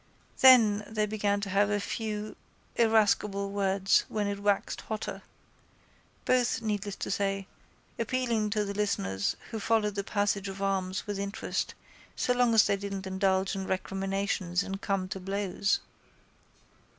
Then they began to have a few irascible words when it waxed hotter, both, needless to say, appealing to the listeners who followed the passage of arms with interest so long as they didn't indulge in recriminations and come to blows.